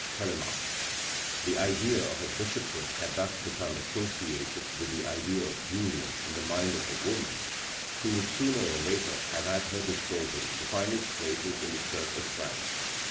Telemaque. The idea of a bishopric had thus become associated with the idea of Julien in the mind of a woman, who would sooner or later have at her disposal the finest places in the Church of France.